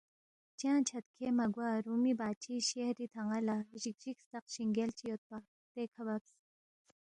چنگ چھدکھے مہ گوا رومی بادشی شہری تھن٘ا لہ جِگجِگ ستق شِنگیل چی یودپا، دیکھہ بَبس